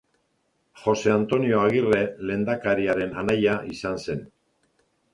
Jose Antonio Agirre lehendakariaren anaia izan zen.